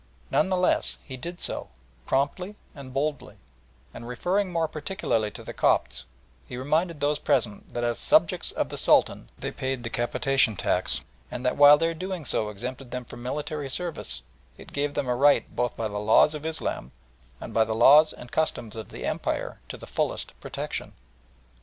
None the less he did so, promptly and boldly, and, referring more particularly to the Copts, he reminded those present that as subjects of the Sultan they paid the Capitation tax, and that while their doing so exempted them from military service, it gave them a right both by the laws of Islam and by the laws and customs of the Empire to the fullest protection.